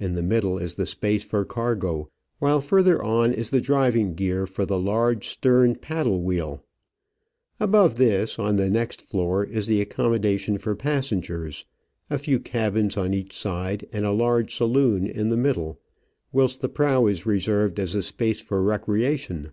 In the middle is the space for cargo, while further on is the driving gear for the large stern paddle wheel. Above this, on the next floor, is the accommodation for passengers, a few E Digitized by VjOOQIC 50 Travels and Adventures cabins on each side and a large saloon in the middle, whilst the prow is reserved as a space for recreation.